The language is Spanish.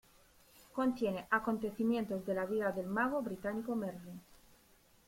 Contiene acontecimientos de la vida del mago británico Merlín.